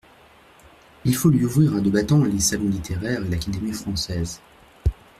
Il faut lui ouvrir à deux battants les salons littéraires et l'Académie française.